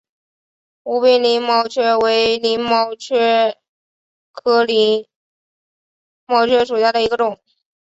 无柄鳞毛蕨为鳞毛蕨科鳞毛蕨属下的一个种。